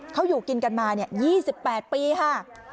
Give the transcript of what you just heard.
เขาอยู่กินกันมาเนี่ย๒๘ปีฮะ